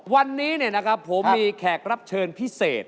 วันนี้ผมมีแขกรับเชิญพิเศษ